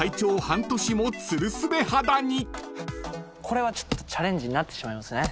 これはチャレンジになってしまいますね。